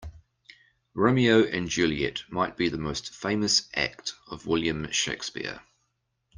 Romeo and Juliet might be the most famous act of William Shakespeare.